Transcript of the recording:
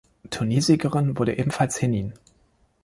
Turniersiegerin wurde ebenfalls Henin.